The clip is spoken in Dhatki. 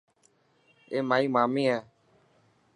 اي مائي مامي هي.